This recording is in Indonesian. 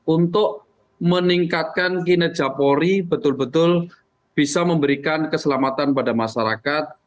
untuk meningkatkan kinerja polri betul betul bisa memberikan keselamatan pada masyarakat